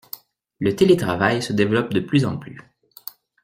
Le télétravail se développe de plus en plus.